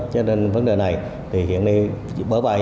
cho nên vấn đề này thì hiện nay bởi vậy